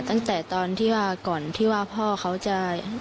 ตั้งแต่ตอนที่ว่าพ่อเขาจะ